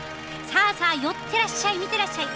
さあさあ寄ってらっしゃい見てらっしゃい！